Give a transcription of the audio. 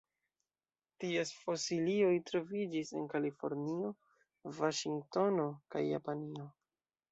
Ties fosilioj troviĝis en Kalifornio, Vaŝingtono kaj Japanio.